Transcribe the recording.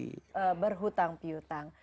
pakai dalam berhutang pihutang